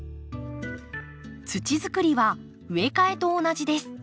土作りは植え替えと同じです。